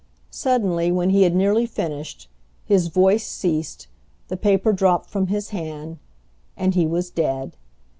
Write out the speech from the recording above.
Suddenly, when he had nearly finished, his voice ceased, the paper dropped from his hand, and he was dead!